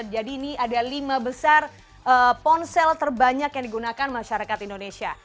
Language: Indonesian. jadi ini ada lima besar ponsel terbanyak yang digunakan masyarakat indonesia